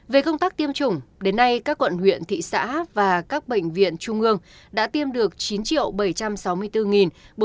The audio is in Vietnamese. về công tác tiêm chủng đến nay các quận huyện thị xã và các bệnh viện trung ương đã tiêm được chín bảy trăm sáu mươi bốn bốn trăm một mươi bốn mũi